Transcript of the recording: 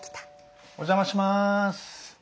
お邪魔します。